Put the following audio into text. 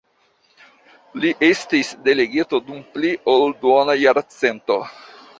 Li estis delegito dum pli ol duona jarcento.